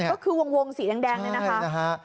ก็คือวงสีแดงเนี่ยนะคะ